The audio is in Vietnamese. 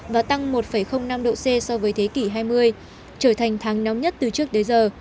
và tăng một năm độ c so với thế kỷ hai mươi trở thành tháng nóng nhất từ trước đến giờ